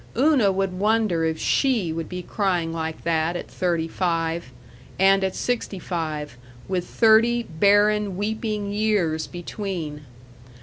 Una would wonder if she would be crying like that at thirty five and at sixty five, with thirty barren, weeping years between.